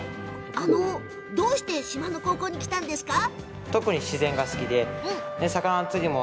どうして、島の高校にいらしたんですか？